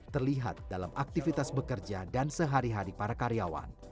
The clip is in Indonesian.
terlihat dalam aktivitas bekerja dan sehari hari para karyawan